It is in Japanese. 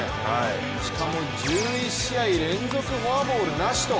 しかも１１試合連続フォアボールなしと。